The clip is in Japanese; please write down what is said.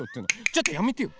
ちょっとやめてよ！